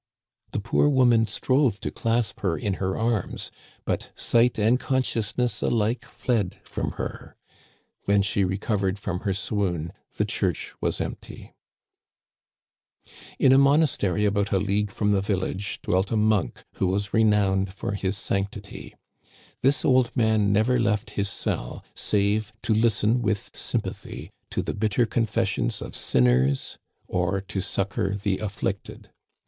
The poor woman strove to clasp her in her arms, but sight and conscious ness alike fled from her. When she recovered from her swoon the church was empty. In a monastery about a league from the village, dwelt a monk who was renowned for his sanctity. Digitized by VjOOQIC MADAME UHABERVILLES STORY. 163 This old man never left his cell, save to listen with sympathy to the bitter confessions of sinners, or to suc cor the afflicted.